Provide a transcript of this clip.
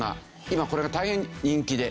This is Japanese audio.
今これが大変人気で。